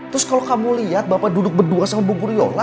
terus kalo kamu liat bapak duduk berdua sama buguryola